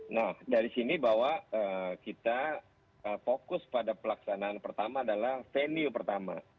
nah dari sini bahwa kita fokus pada pelaksanaan pertama adalah venue pertama